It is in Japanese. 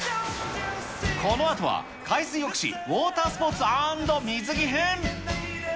このあとは海水浴史、ウォータースポーツ＆水着編。